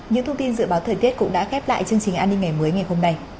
những thông tin dự báo thời tiết cũng đã khép lại chương trình an ninh ngày mới ngày hôm nay